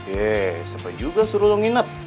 eh sampai juga suruh lo nginep